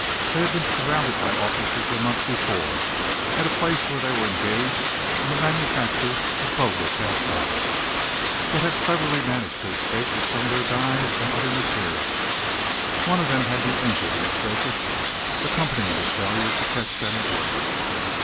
They had been surrounded by officers a month before, at a place where they were engaged in the manufacture of bogus half dollars; but had cleverly managed to escape with some of their dies and other material. One of them had been injured in the fracas accompanying this failure to catch them at work.